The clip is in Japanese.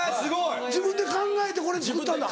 自分で考えてこれ作ったんだ。